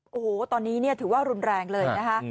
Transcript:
โอ้โหตอนนี้ถือว่ารุนแรงเลยนะคะ